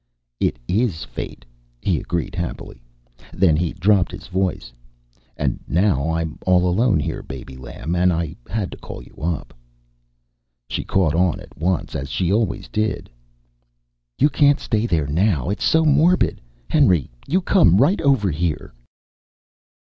"It is fate!" he agreed happily. Then he dropped his voice. "And now I'm all alone here, baby lamb, and I had to call you up...." She caught on at once, as she always did. "You can't stay there now! It's so morbid. Henry, you come right over here!"